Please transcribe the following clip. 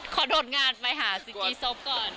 ขอโดดงานไปหาโซจีโซปก่อน